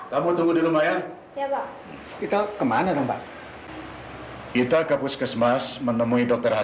kamu tunggu di rumah saya